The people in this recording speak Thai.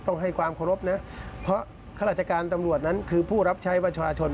ให้ความเคารพนะเพราะข้าราชการตำรวจนั้นคือผู้รับใช้ประชาชน